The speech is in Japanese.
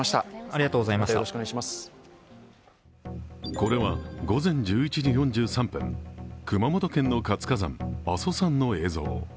これは午前１１時４３分、熊本県の活火山、阿蘇山の映像。